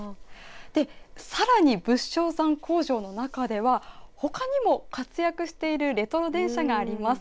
で、さらに仏生山工場の中ではほかにも活躍しているレトロ電車があります。